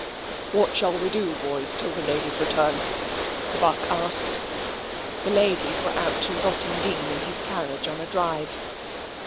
"What shall we do, boys, till the ladies return?" the buck asked. The ladies were out to Rottingdean in his carriage on a drive.